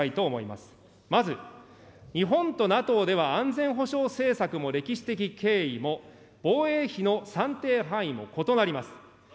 まず、日本とＮＡＴＯでは安全保障政策も歴史的経緯も、防衛費の算定範囲も異なります。